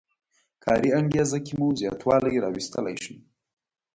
کاري انګېزه کې مو زیاتوالی راوستلی شي.